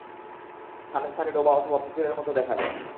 স্থানে স্থানে ডোবা অথবা পুকুরের মতো দেখা যায়।